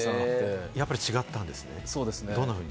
やっぱり違ったんですね？